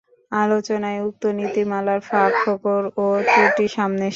আলোচনায় উক্ত নীতিমালার ফাঁক-ফোকড় ও ত্রুটি সামনে এসেছে।